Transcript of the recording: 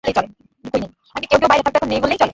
আগে কেউ কেউ বাইরে থাকত, এখন নেই বললেই চলে।